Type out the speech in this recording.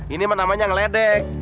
ini namanya yang ledek